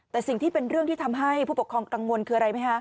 แต่สิ่งที่เป็นเรื่องที่ทำให้ผู้ปกครองกังวลคืออะไรไหมคะ